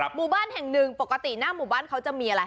หมู่บ้านแห่งหนึ่งปกติหน้าหมู่บ้านเขาจะมีอะไร